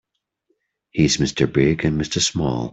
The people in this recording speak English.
He's Mr. Big and Mr. Small.